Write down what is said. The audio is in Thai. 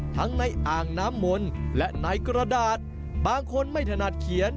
ในอ่างน้ำมนต์และในกระดาษบางคนไม่ถนัดเขียน